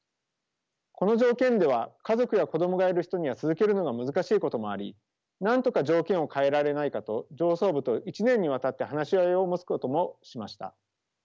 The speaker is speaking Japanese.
この条件では家族や子供がいる人には続けるのが難しいこともありなんとか条件を変えられないかと上層部と１年にわたって話し合いを持つこともしました。